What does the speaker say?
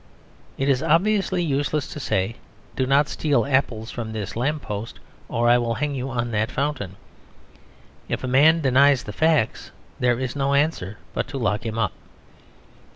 It is obviously useless to say, "Do not steal apples from this lamp post, or I will hang you on that fountain." If a man denies the facts, there is no answer but to lock him up.